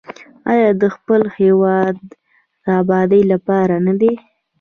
آیا د خپل هیواد د ابادۍ لپاره نه ده؟